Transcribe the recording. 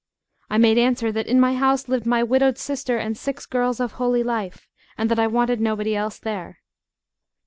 I made answer that in my house lived my widowed sister and six girls of holy life, and that I wanted nobody else there.